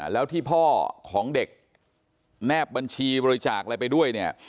แล้วที่พ่อของเด็กแนบบัญชีบริจาคอะไรไปด้วยเนี่ย